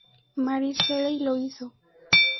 Mary Shelley lo hizo.